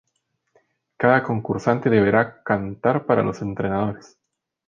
Cada concursante deberá cantar para los entrenadores.